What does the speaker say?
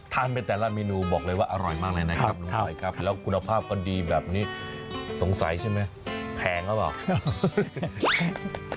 ทานไปแต่ละเมนูบอกเลยว่าอร่อยมากเลยนะครับแล้วกุณภาพก็ดีแบบนี้สงสัยใช่ไหมแพงแล้วหรือเปล่า